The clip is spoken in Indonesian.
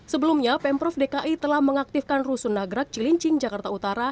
sebelumnya pemprov dki telah mengaktifkan rusun nagrak cilincing jakarta utara